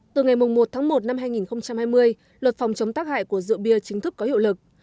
từ ngày một tháng một năm hai nghìn hai mươi luật phòng chống tác hại của rượu bia chính thức có hiệu lực